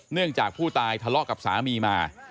จากผู้ตายทะเลาะกับสามีมา